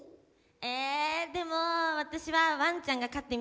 えでも私はワンちゃんが飼ってみたいです。